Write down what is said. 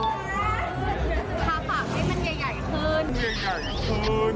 เท้าผาข้างนี่มันใหญ่